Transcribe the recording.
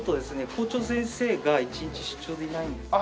校長先生が一日出張でいないんですけど。